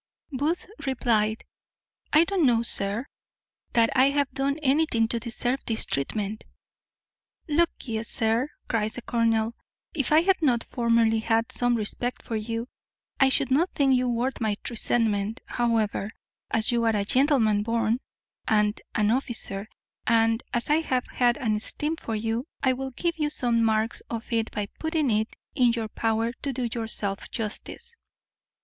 Booth replied, "I don't know, sir, that I have done anything to deserve this treatment." "Look'ee, sir," cries the colonel, "if I had not formerly had some respect for you, I should not think you worth my resentment. However, as you are a gentleman born, and an officer, and as I have had an esteem for you, I will give you some marks of it by putting it in your power to do yourself justice.